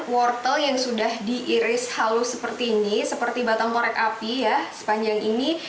wortel yang sudah diiris halus seperti ini seperti batang korek api ya sepanjang ini